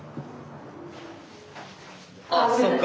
あっそっか。